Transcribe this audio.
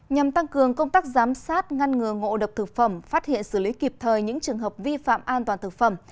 nhằm tăng cường công tác giám sát ngăn ngừa ngộ độc thực phẩm phát hiện xử lý kịp thời những trường hợp vi phạm an toàn thực phẩm